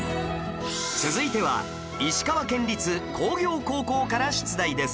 続いては石川県立工業高校から出題です